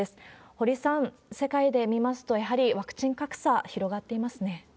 堀さん、世界で見ますと、やはりワクチン格差、広がっていますね。